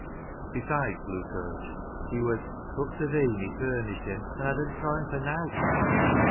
Besides, Luke urged, he was " up to th' een i' furnishing, an' hadn't toime for nowt."